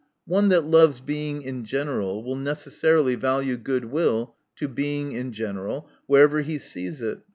One that loves Being in general, will necessarily value good will to Being in general, wherever he sees it.